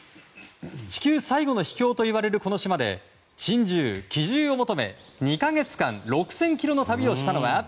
地球最後の秘境といわれるこの島で珍獣・奇獣を求め、２か月間６０００ｋｍの旅をしたのは。